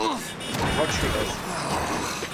What she does !